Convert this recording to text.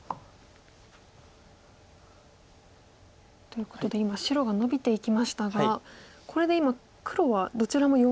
ということで今白がノビていきましたがこれで今黒はどちらも弱い石になっていると。